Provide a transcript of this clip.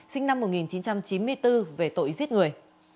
sinh năm một nghìn chín trăm chín mươi bốn về tội giết người